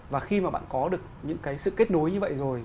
và khi mà bạn có được những cái sự kết nối như vậy rồi